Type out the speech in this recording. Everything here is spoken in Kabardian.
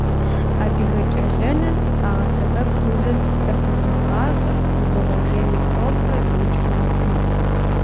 Адыгэкӏэлэныр къагъэсэбэп узыр зэхозымыгъащӏэ, узыгъэжей, микробхэр зыукӏ ӏэмэпсымэу.